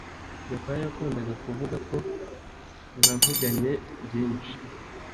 Gakwaya yakundaga kuvuga ko navuganye byinshi